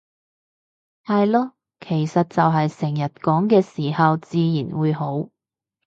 係囉，其實就係成日講嘅時候自然會好